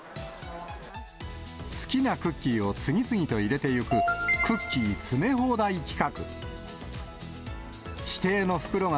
好きなクッキーを次々と入れていくクッキー詰め放題企画。